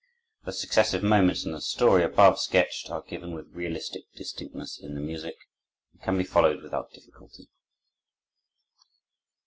The successive moments in the story above sketched are given with realistic distinctness in the music, and can be followed without difficulty.